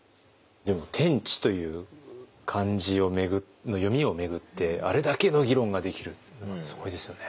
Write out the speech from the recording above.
でも「天地」という漢字の読みを巡ってあれだけの議論ができるのはすごいですよね。